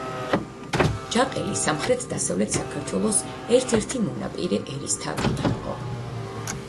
ჯაყელი სამხრეთ-დასავლეთ საქართველოს ერთ-ერთი მონაპირე ერისთავი იყო.